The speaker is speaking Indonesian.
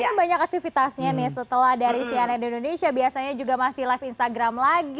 ini kan banyak aktivitasnya nih setelah dari cnn indonesia biasanya juga masih live instagram lagi